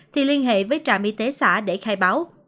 thì liên hệ với trạm y tế xã để khai báo